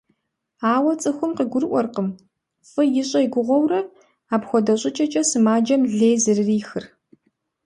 Ауэ цӀыхум къыгурыӀуэркъым, фӀы ищӀэ и гугъэурэ, апхуэдэ щӀыкӀэкӀэ сымаджэм лей зэрырихыр.